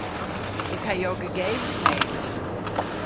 Ik ha jo gegevens nedich.